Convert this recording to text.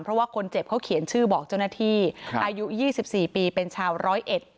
เพราะว่าคนเจ็บเขาเขียนชื่อบอกเจ้าหน้าที่อายุ๒๔ปีเป็นชาวร้อยเอ็ด